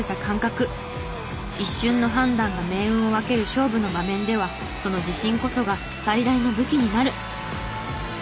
一瞬の判断が命運を分ける勝負の場面ではその自信こそが最大の武器になる！